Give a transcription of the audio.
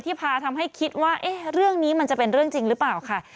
พาทำให้คิดว่าเรื่องนี้มันจะเป็นเรื่องจริงหรือเปล่าค่ะ